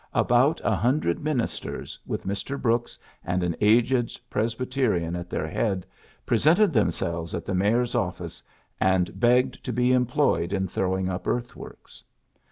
About a hundred ministers, with Mr. Brooks and an aged Presbyterian at their head, presented themselves at the mayor's office, and begged to be employed in throwing up earthworks.